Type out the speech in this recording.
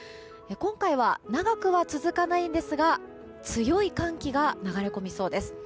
今回は長くは続かないんですが強い寒気が流れ込みそうです。